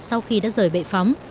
sau khi đã rời bệ phóng